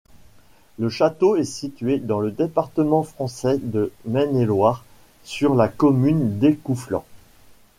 Le château est situé dans le département français de Maine-et-Loire, sur la commune d'Écouflant.